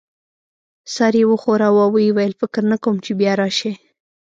سر یې وښوراوه او ويې ویل: فکر نه کوم چي بیا راشې.